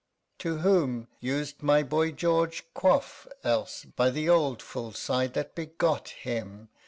_ To whom used my boy George quaff else, By the old fool's side that begot him?